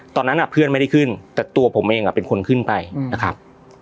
ตอนนั้นเพื่อนไม่ได้ขึ้นแต่ตัวผมเองเป็นคนขึ้นไปนะครับ